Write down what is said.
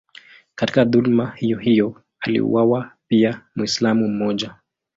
Katika dhuluma hiyohiyo aliuawa pia Mwislamu mmoja.